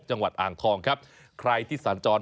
จังหวัดอ่างทองครับใครที่สัญจร